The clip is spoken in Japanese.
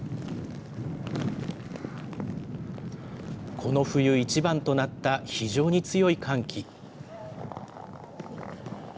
この冬一番となった非常に強い寒気。